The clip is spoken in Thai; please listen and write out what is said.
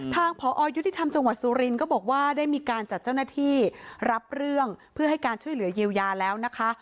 ทางพอยุติธรรมจังหวัดสุรินทร์ก็บอกว่าได้มีการจัดเจ้าหน้าที่รับเรื่องเพื่อให้การช่วยเหลือเยียวยาแล้วนะคะ